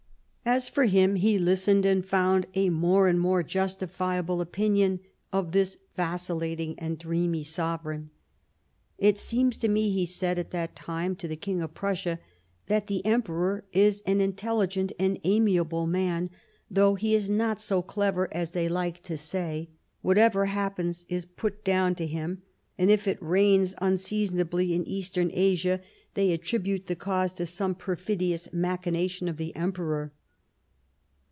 As for him, he listened and found a more and more justifiable opinion of this vacillating and dreamy sovereign :" It seems to me," he said at that time to the King of Prussia, " that the Emperor is an intelligent and amiable man, though he is not so clever as they like to say ; whatever happens is put down to him, and if it rains unseasonably in Eastern Asia, they attribute the cause to some perfidious machination of the Emperor."